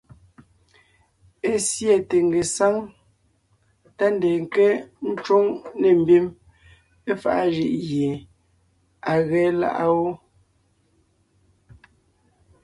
Ésiɛte ngesáŋ tá ndeen nke ńcwóŋ nê mbim éfaʼa jʉʼ gie à ge láʼa wó.